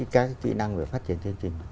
cái kỹ năng về phát triển chương trình